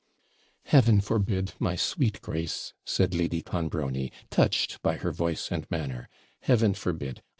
'Heaven forbid, my sweet Grace!' said Lady Clonbrony, touched by her voice and manner 'Heaven forbid!